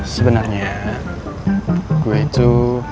sebenernya gue itu